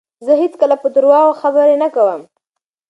زه هیڅکله په درواغو خبرې نه کوم.